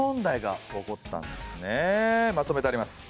まとめてあります。